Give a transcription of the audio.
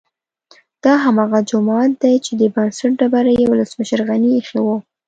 دا هماغه جومات دی چې د بنسټ ډبره یې ولسمشر غني ايښې وه